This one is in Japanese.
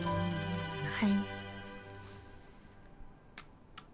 はい。